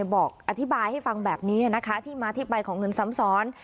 บอกอธิบายให้ฟังแบบนี้นะคะที่มาที่ไปของเงินซ้ำซ้อน